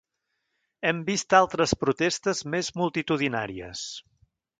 Hem vist altres protestes més multitudinàries.